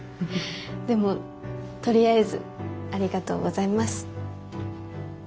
でもとりあえずありがとうございます。